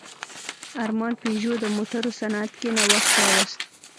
ارمان پيژو د موټرو صنعت کې نوښت راوست.